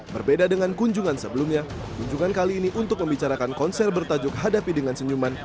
berbeda dengan kunjungan sebelumnya kunjungan kali ini untuk membicarakan konser bertajuk hadapi dengan senyuman